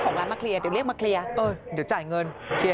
โอ้ยเดี๋ยวจ่ายเงิน